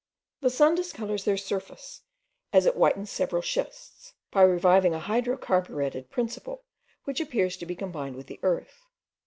The sun discolours their surface, as it whitens several schists, by reviving a hydro carburetted principle, which appears to be combined with the earth.